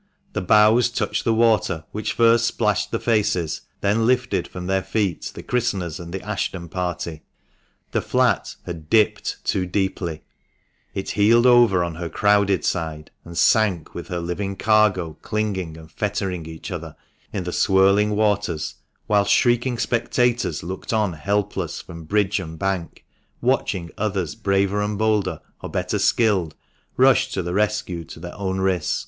The bows touched the water, which first splashed the faces, then lifted from their feet the christeners and the Ashton party. The flat had dipped too deeply, it heeled over on her crowded side, and sank with her living cargo clinging and fettering each other in the swirling waters, whilst shrieking spectators looked on helpless from bridge and bank, watching others braver and bolder, or better skilled, rush to the rescue to their own risk.